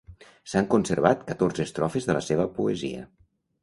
S'han conservat catorze estrofes de la seva poesia.